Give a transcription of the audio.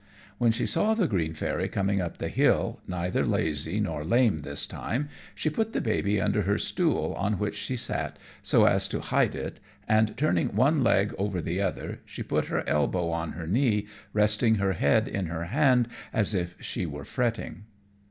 When she saw the green Fairy coming up the hill, neither lazy nor lame this time, she put the baby under her stool on which she sat so as to hide it, and turning one leg over the other she put her elbow on her knee, resting her head in her hand as if she were fretting.